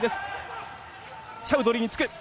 チャウドリーにつく！